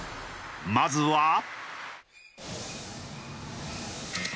まずは。